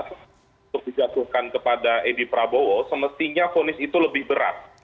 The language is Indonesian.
untuk dijatuhkan kepada edi prabowo semestinya fonis itu lebih berat